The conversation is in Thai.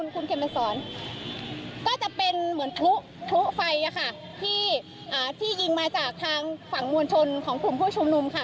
ก็จะเป็นเหมือนถุไฟที่ยิงมาจากทางฝั่งมวลชนของคุณผู้ชมนุมค่ะ